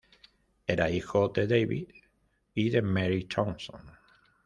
Era hijo de David y de Mary Thomson.